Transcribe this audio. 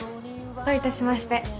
どういたしまして。